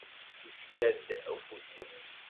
Yefka-d ufus-is.